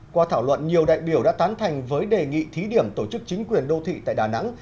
qua thảo luận nhiều đại biểu đã tán thành với đề nghị thí điểm tổ chức chính quyền đô thị tại đà nẵng